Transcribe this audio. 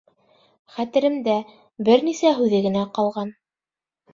Хәтеремдә бер нисә һүҙе генә ҡалған: